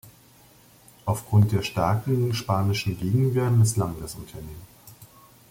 Aufgrund der starken spanischen Gegenwehr misslang das Unternehmen.